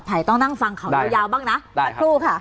ต้องนั่งฟังเขายาวบ้างนะสักครู่ค่ะ